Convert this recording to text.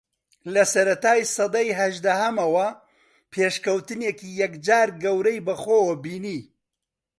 لە سەرەتای سەدەی ھەژدەھەمەوە پێشکەوتنێکی یەکجار گەورەی بەخۆوە بینی